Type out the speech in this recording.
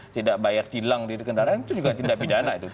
tidak bayar tilang di kendaraan itu juga tindak pidana itu